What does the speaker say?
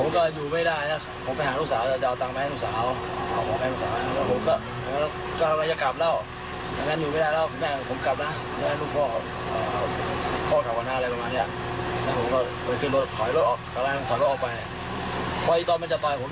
ก็อ่ะนะมันมีอย่างนี้มันก็ต่อยหน่อย